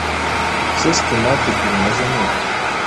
Sauce tomate ebyiri nazo nuko